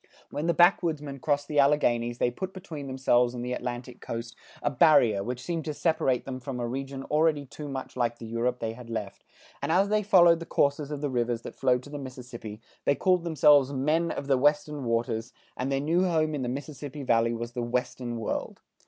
When the backwoodsmen crossed the Alleghanies they put between themselves and the Atlantic Coast a barrier which seemed to separate them from a region already too much like the Europe they had left, and as they followed the courses of the rivers that flowed to the Mississippi, they called themselves "Men of the Western Waters," and their new home in the Mississippi Valley was the "Western World."